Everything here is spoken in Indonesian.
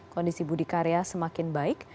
kondisi budi karya semakin baik